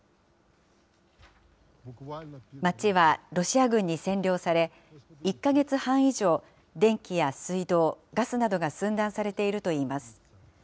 街はロシア軍に占領され、１か月半以上、電気や水道、ガスなどが寸断されているといいます。